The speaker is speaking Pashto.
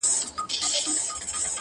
• زه چي کور ته ورسمه هغه نه وي.